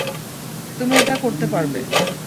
তুমি এটা করতে পারবে।